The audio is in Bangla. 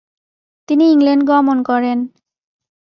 তিনি ইংল্যান্ড গমন করেন।